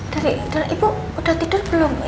dari ibu udah tidur belum